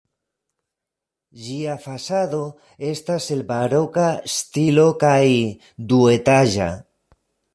Ĝia fasado estas el baroka stilo kaj duetaĝa.